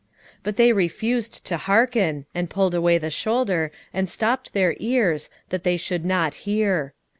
7:11 But they refused to hearken, and pulled away the shoulder, and stopped their ears, that they should not hear.